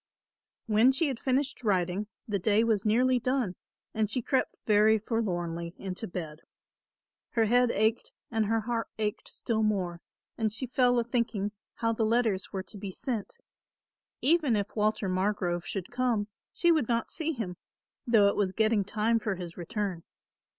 When she had finished writing the day was nearly done and she crept very forlornly into bed. Her head ached and her heart ached still more and she fell a thinking how the letters were to be sent. Even if Walter Margrove should come she would not see him, though it was getting time for his return.